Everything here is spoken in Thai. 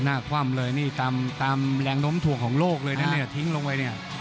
คว่ำเลยนี่ตามแรงน้มถ่วงของโลกเลยนะเนี่ยทิ้งลงไปเนี่ย